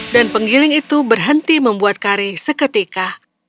dan penggiling itu berhenti membuat kari seketika